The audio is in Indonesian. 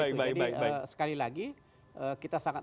jadi sekali lagi kita sangat menghargai proses konstitusi yang kita lakukan